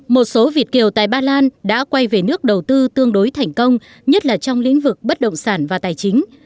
một số việt kiều tại ba lan đã quay về nước đầu tư tương đối thành công nhất là trong lĩnh vực bất động sản và tài chính